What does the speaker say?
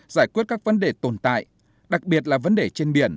giải quyết các vấn đề tồn tại đặc biệt là vấn đề trên biển